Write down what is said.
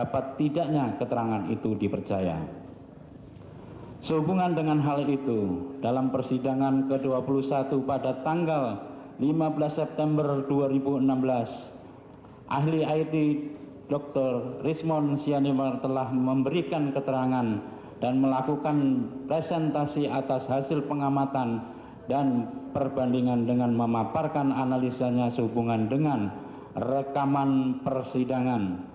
pada bulan jum'at dua ribu enam belas ahli it dr rizmon sianemar telah memberikan keterangan dan melakukan presentasi atas hasil pengamatan dan perbandingan dengan memaparkan analisanya sehubungan dengan rekaman persidangan